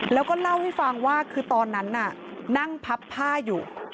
แล้วก็เล่าให้ฟังว่าคือตอนนั้นน่ะนั่งพับผ้าอยู่